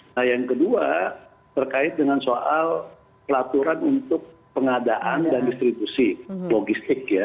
nah yang kedua terkait dengan soal peraturan untuk pengadaan dan distribusi logistik ya